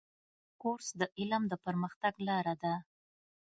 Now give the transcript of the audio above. کورس د علم د پرمختګ لاره ده.